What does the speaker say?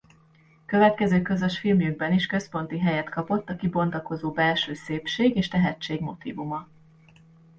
Következő közös filmjükben is központi helyet kapott a kibontakozó belső szépség és tehetség motívuma.